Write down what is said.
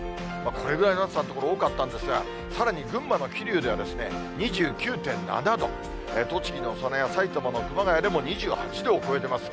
これぐらいの暑さの所、多かったんですが、さらに群馬の桐生では、２９．７度、栃木の佐野や埼玉の熊谷でも２８度を超えてます。